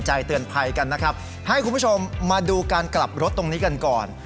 ให้คุณผู้ชมมาดูการกลับรถตรงนี้กันก่อน